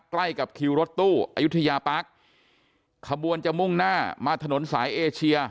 ใกล้กับคิวรถตู้อายุทยาปาร์คขบวนจะมุ่งหน้ามาถนนสายเอเชีย